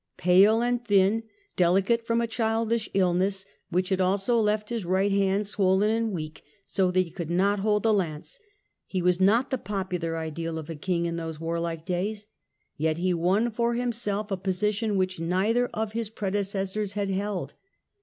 Pale and thin, delicate from a childish illness, which had also left his right hand swollen and weak so that he could not hold a lance, he was not the popular ideal of a King in those warHke days, yet he won for himself a position which neither of his predecessors had held.